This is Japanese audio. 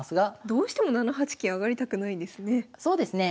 どうしても７八金上がりたくないんですね。